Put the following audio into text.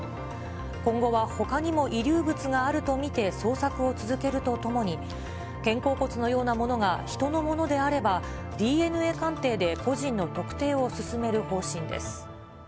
今後はほかにも遺留物があると見て、捜索を続けるとともに、肩甲骨のようなものが人のものであれば、ＤＮＡ鑑定で個人の特定を進める方針です。